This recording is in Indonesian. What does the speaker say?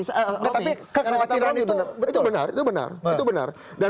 enggak tapi kata roky itu benar